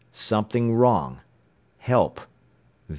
Something wrong. Help!